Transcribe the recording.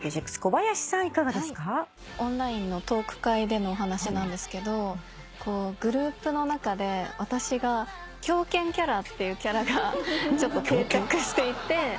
オンラインのトーク会でのお話なんですけどグループの中で私が狂犬キャラっていうキャラが定着していて。